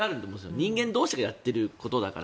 人間同士がやっていることだから。